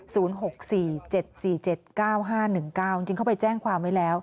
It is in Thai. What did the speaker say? ศูนย์หกสี่เจ็ดสี่เจ็ดเก้าห้าหนึ่งเก้าจริงจริงเข้าไปแจ้งความไว้แล้ว